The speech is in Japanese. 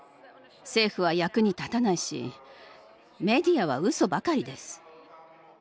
政府は役に立たないしメディアはうそばかりです。